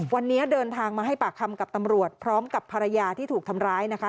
วันนี้เดินทางมาให้ปากคำกับตำรวจพร้อมกับภรรยาที่ถูกทำร้ายนะคะ